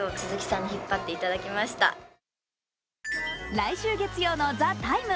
来週月曜の「ＴＨＥＴＩＭＥ，」